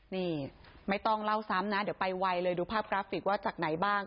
นี่ไม่ต้องเล่าซ้ำนะเดี๋ยวไปไวเลยดูภาพกราฟิกว่าจากไหนบ้าง